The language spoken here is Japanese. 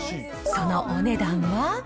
そのお値段は。